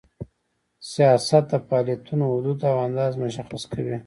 سیاست د فعالیتونو حدود او اندازه مشخص کوي.